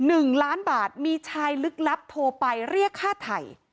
หนึ่งล้านบาทมีชายลึกลับโทรไปเรียกค่าไถ่